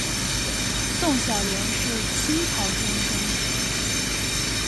宋小濂是清朝监生。